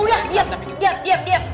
udah diam diam diam